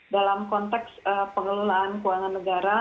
dalam konteks pengelolaan keuangan negara